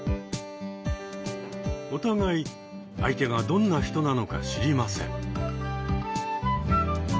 お互い相手がどんな人なのか知りません。